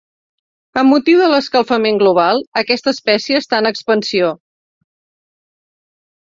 Amb motiu de l'escalfament global, aquesta espècie està en expansió.